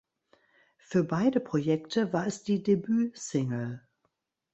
Für beide Projekte war es die Debütsingle.